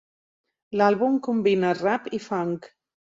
L'àlbum combina rap i funk.